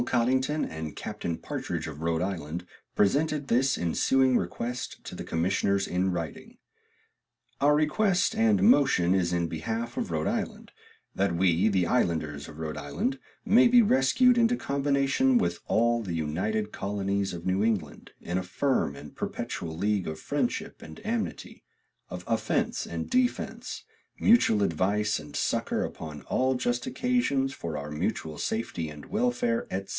Cottington and Captain Partridg of Rhoode Island presented this insewing request to the commissioners in wrighting "Our request and motion is in behalfe of Rhoode Iland, that wee the ilanders of Rhoode Iland may be rescauied into combination with all the united colonyes of New England in a firme and perpetual league of friendship and amity of ofence and defence, mutuall advice and succor upon all just occasions for our mutuall safety and wellfaire, etc.